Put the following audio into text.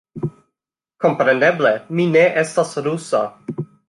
Kompreneble, mi ne estas rusa